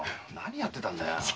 何やってたんだよ？